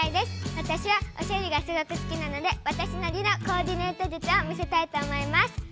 わたしはおしゃれがすごく好きなのでわたしなりのコーディネートじゅつを見せたいと思います。